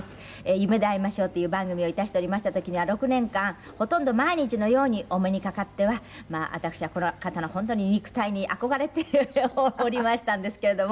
『夢であいましょう』という番組を致しておりました時には６年間ほとんど毎日のようにお目にかかっては私はこの方の本当に肉体に憧れておりましたんですけれども。